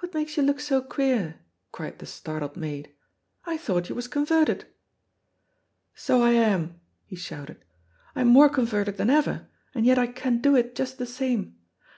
"What makes you look so queer?" cried the startled maid. "I thought you was converted." "So I am," he shouted, "I'm more converted than ever, and yet I can do it just the same!